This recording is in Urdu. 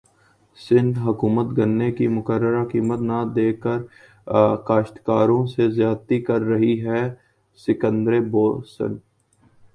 سندھ حکومت گنے کی مقررہ قیمت نہ دیکر کاشتکاروں سے زیادتی کر رہی ہے سکندر بوسن